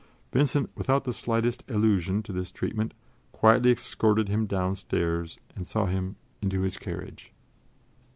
Vincent, without the slightest allusion to this treatment, quietly escorted him downstairs and saw him into his carriage.